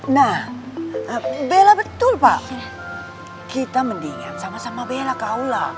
nah bela betul pak kita mendingan sama sama bela ke aula